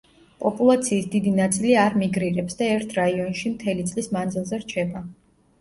პოპულაციის დიდი ნაწილი არ მიგრირებს და ერთ რაიონში მთელი წლის მანძილზე რჩება.